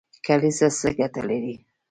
کلیزه څه ګټه لري؟